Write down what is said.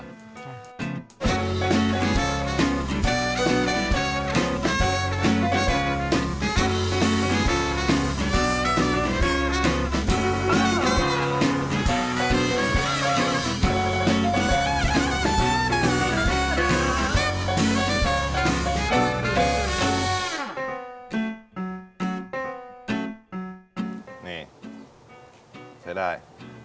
นี่ใช้ได้